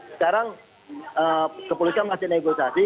sekarang kepolisian masih negosiasi